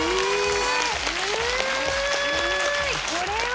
これは！